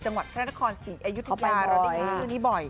นักละคร๔อายุ๑๐ยาเราได้เข้าซื้อนี้บ่อย